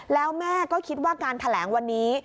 แล้วแม่ก็คิดว่าการแถลงวันนี้